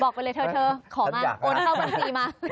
บอกไปเลยเถอะขอมาโอนเข้าบันทรีย์มา